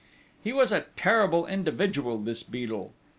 He was a terrible individual this Beadle!